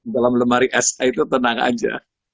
dalam lemari sa itu tenang aja